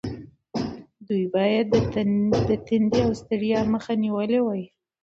دوی باید د تندې او ستړیا مخه نیولې وای.